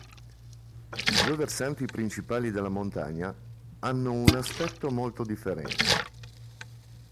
I due versanti principali della montagna hanno un aspetto molto differente.